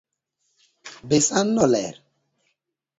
Be San no ler?